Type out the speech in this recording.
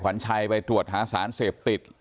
หลานชายไปตรวจหาสารเสพติด